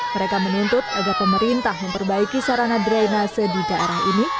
mereka menuntut agar pemerintah memperbaiki sarana drainase di daerah ini